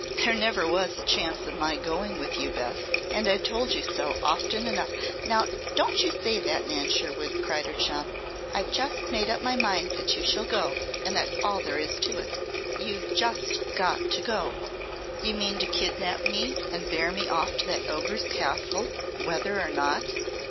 "There never was a chance of my going with you, Bess, and I've told you so often enough " "Now, don't you say that, Nan Sherwood!" cried her chum. "I've just made up my mind that you shall go, and that's all there is to it! You've just got to go!" "You mean to kidnap me and bear me off to that ogre's castle, whether or not?"